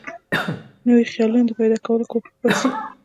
نویو خیالونو د پیدا کولو کوښښ باسي.